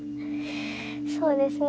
そうですね